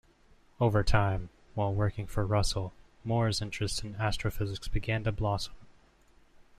Over time, while working for Russell, Moore's interest in astrophysics began to blossom.